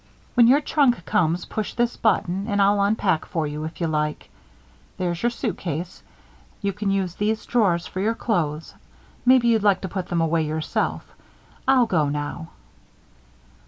When your trunk comes, push this button and I'll unpack for you, if you like. There's your suitcase. You can use these drawers for your clothes maybe you'd like to put them away yourself. I'll go now."